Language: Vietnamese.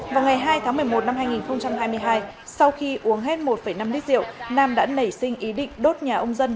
vào ngày hai tháng một mươi một năm hai nghìn hai mươi hai sau khi uống hết một năm lít rượu nam đã nảy sinh ý định đốt nhà ông dân